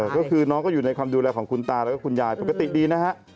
ก็คือน้องก็อยู่ในความดูแลของคุณตาแล้วก็คุณยายปกติดีนะฮะ